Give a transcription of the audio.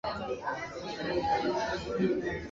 nchi nyingi zilikuwa zimetia saini kwenye mkataba